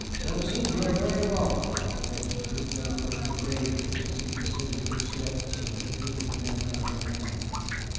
"Citizens, you are very welcome," answered the General, gravely, as he descended the steps and took each of them by the hand.